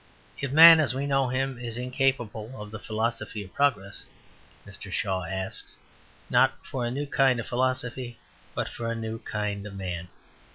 If man, as we know him, is incapable of the philosophy of progress, Mr. Shaw asks, not for a new kind of philosophy, but for a new kind of man.